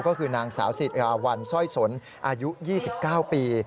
ก็คือนางสาวสิราวัลสร้อยสนอายุ๒๙ปี